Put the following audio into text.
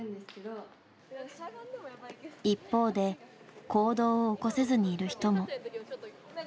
一方で行動を起こせずにいる人も。